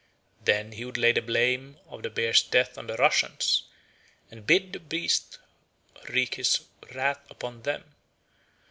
Then he would lay the blame of the bear's death on the Russians, and bid the beast wreak his wrath upon them.